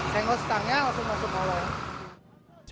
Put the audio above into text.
senggol stangnya langsung masuk balai